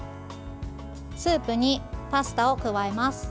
スープにパスタを加えます。